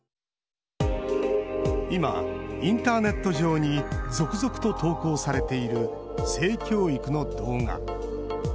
今、インターネット上に続々と投稿されている性教育の動画。